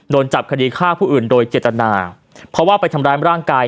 โดนจับคดีฆ่าผู้อื่นโดยเจตนาเพราะว่าไปทำร้ายร่างกาย